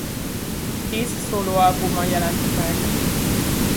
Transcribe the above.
Tíz szólóalbuma jelent meg.